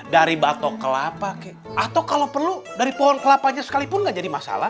dari batok kelapa atau kalau perlu dari pohon kelapanya sekalipun nggak jadi masalah